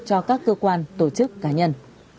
cho các cơ quan tổ chức cá nhân